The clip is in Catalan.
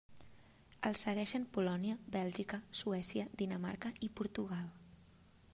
El segueixen Polònia, Bèlgica, Suècia, Dinamarca i Portugal.